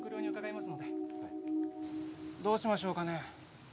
どうしましょうかね？